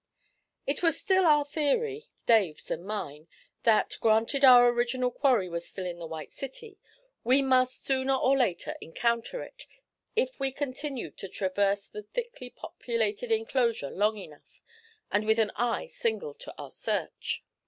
It was still our theory Dave's and mine that, granted our original quarry was still in the White City, we must sooner or later encounter it, if we continued to traverse the thickly populated enclosure long enough, and with an eye single to our search.